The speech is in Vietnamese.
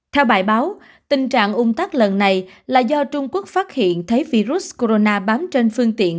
theo bài báo tình trạng ung tắc lần này là do trung quốc phát hiện thấy virus corona bám trên phương tiện